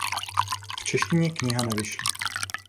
V češtině kniha nevyšla.